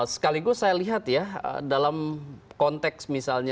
sekaligus saya lihat ya dalam konteks misalnya